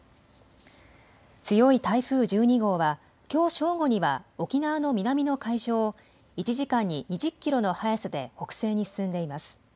強い台風１２号はきょう正午には沖縄の南の海上を１時間に２０キロの速さで北西に進んでいます。